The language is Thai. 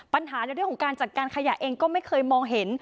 ปัญหาในเรื่องของการจัดการขยะเองก็ไม่เคยมองเห็น